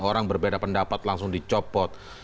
orang berbeda pendapat langsung dicopot